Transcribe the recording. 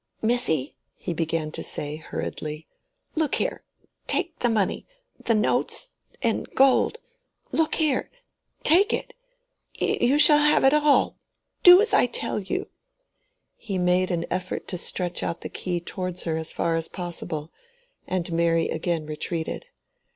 "Missy," he began to say, hurriedly, "look here! take the money—the notes and gold—look here—take it—you shall have it all—do as I tell you." He made an effort to stretch out the key towards her as far as possible, and Mary again retreated.